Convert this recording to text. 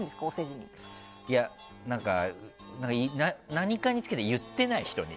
何かにつけて言ってない、人に。